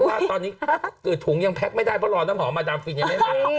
ว่าตอนนี้เกิดถุงยังแพ็คไม่ได้เพราะรอน้ำหอมมาดามฟินยังไม่มา